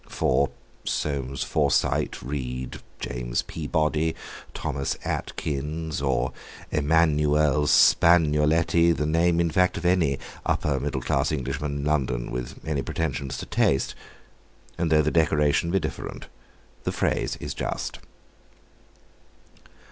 For Soames Forsyte—read James Peabody, Thomas Atkins, or Emmanuel Spagnoletti, the name in fact of any upper middle class Englishman in London with any pretensions to taste; and though the decoration be different, the phrase is just.